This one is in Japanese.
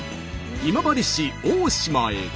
今治市大島へ。